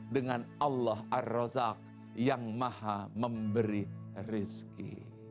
dengan allah arrozak yang maha memberi rizki